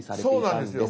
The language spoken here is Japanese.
そうなんですよ！